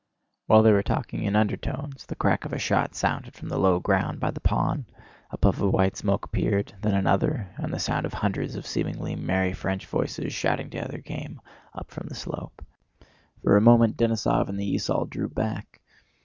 While they were talking in undertones the crack of a shot sounded from the low ground by the pond, a puff of white smoke appeared, then another, and the sound of hundreds of seemingly merry French voices shouting together came up from the slope. For a moment Denísov and the esaul drew back.